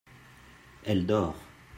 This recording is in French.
elle dort.